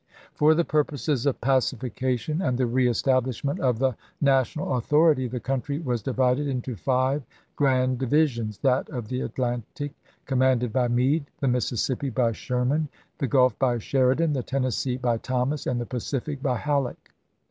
For the purposes of pacification and the reestab lishment of the national authority the country was divided into five grand divisions — that of the Atlantic, commanded by Meade ; the Mississippi, by Sherman ; the Gulf, by Sheridan ; the Tennes see, by Thomas; and the Pacific, by Halleck.